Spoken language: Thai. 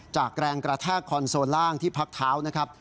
จากแรงกระแทกคอนโซลล่างที่พักเท้านะครับ